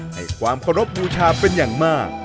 ให้ความเคารพบูชาเป็นอย่างมาก